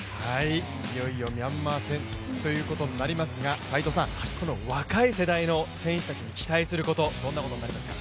いよいよミャンマー戦ということになりますが若い世代の選手たちに期待すること、どんなことになりますか。